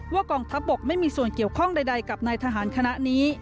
กองทัพบกไม่มีส่วนเกี่ยวข้องใดกับนายทหารคณะนี้